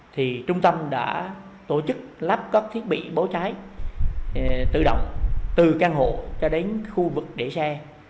thì trung tâm đã tổ chức lắp các thiết bị bố cháy tự động từ căn hộ cho đến khu vực để xe